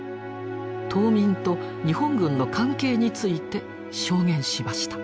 島民と日本軍の関係について証言しました。